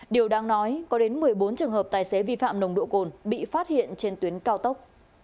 điều đang nói có đến một mươi bốn trường hợp tài xế vi phạm nồng độ cồn bị phát hiện trên tuyến cao tốc